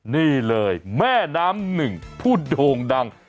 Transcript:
นี่เลยแม่น้ำหนึ่งผู้โด่งดัง